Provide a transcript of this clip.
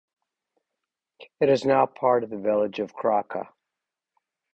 It is now part of the village of Krka.